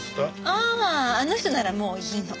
あああの人ならもういいの。